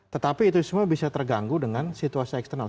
tetapi itu semua bisa terganggu dengan situasi eksternal